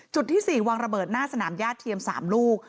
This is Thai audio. ที่๔วางระเบิดหน้าสนามญาติเทียม๓ลูก